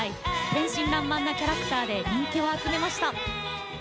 天真らんまんなキャラクターで人気を集めました。